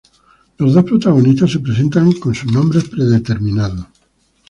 Los dos protagonistas se presentan con sus nombres predeterminados.